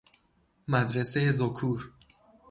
مدرسه ذکور